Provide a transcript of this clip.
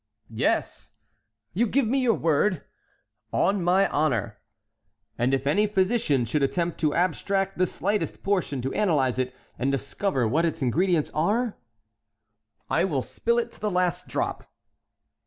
"Yes." "You give me your word?" "On my honor." "And if any physician should attempt to abstract the slightest portion to analyze it and discover what its ingredients are"— "I will spill it to the last drop."